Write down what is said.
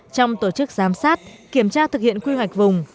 trong tổ chức giám sát kiểm tra thực hiện quy hoạch vùng